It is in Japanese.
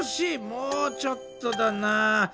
もうちょっとだな。